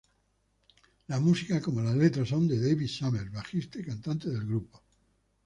La música como la letra son de David Summers, bajista y cantante del grupo.